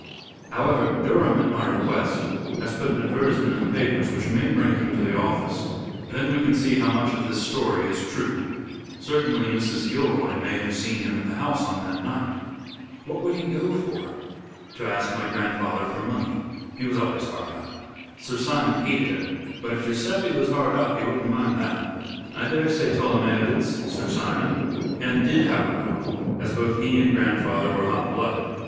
However, Durham, at my request, has put an advertisement in the papers which may bring him to the office, then we can see how much of this story is true. Certainly, Mrs. Gilroy may have seen him at the house on that night." "What would he go for?" "To ask my grandfather for money. He was always hard up. Sir Simon hated him, but if Guiseppe was hard up he wouldn't mind that. I daresay Tolomeo did see Sir Simon, and did have a row, as both he and grandfather were hot blooded.